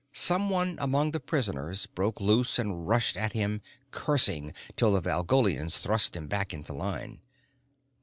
Someone among the prisoners broke loose and rushed at him, cursing, till the Valgolians thrust him back into line.